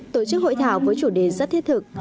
tổ chức hội thảo với chủ đề rất thiết thực